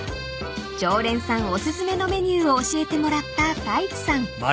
［常連さんお薦めのメニューを教えてもらった太一さん］